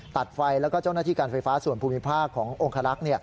ตัดไฟแล้วก็เจ้าหน้าที่การไฟฟ้าส่วนภูมิภาคขององคลักษณ์